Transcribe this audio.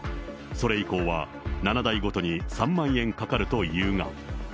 それ以降は、７代ごとに３万円かかるというが。